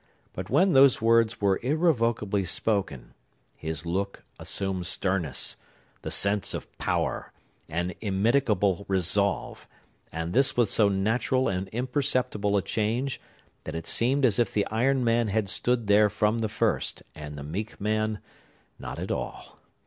But when those words were irrevocably spoken, his look assumed sternness, the sense of power, and immitigable resolve; and this with so natural and imperceptible a change, that it seemed as if the iron man had stood there from the first, and the meek man not at all.